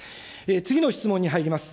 次の質問に入ります。